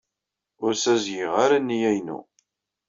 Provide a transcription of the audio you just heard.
Ur ssazedgeɣ ara nneyya-inu.